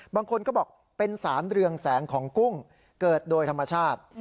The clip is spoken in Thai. บางคนก็บอกเป็นสารเรืองแสงของกุ้งเกิดโดยธรรมชาติ